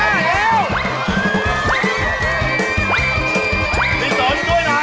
พี่สนช่วยหน่าย